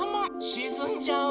しずんじゃう。